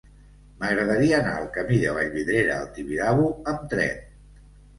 M'agradaria anar al camí de Vallvidrera al Tibidabo amb tren.